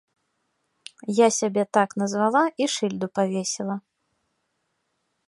Я сябе так назвала і шыльду павесіла.